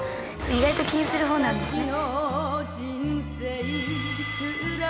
意外と気にするほうなんですね。